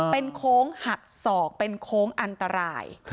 เป็นโค้งหักศอกเป็นโค้งอันตราย